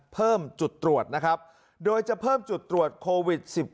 เพิ่มจุดตรวจนะครับโดยจะเพิ่มจุดตรวจโควิด๑๙